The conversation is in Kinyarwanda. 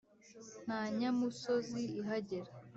nta nyamusozi ihagera,